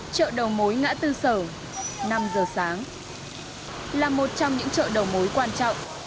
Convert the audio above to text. chợ đầu mối ngã tư sở năm giờ sáng là một trong những chợ đầu mối quan trọng